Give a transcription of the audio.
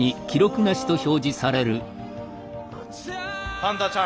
パンダちゃん